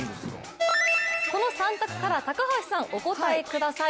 この３択から高橋さん、お答えください。